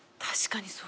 確かに。